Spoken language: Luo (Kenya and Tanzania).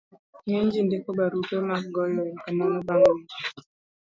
ng'eny ji ndiko barupe mag goyo erokamano bang' mich